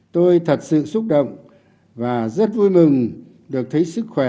tôi thật sự xúc động và rất vui mừng được thấy sức khỏe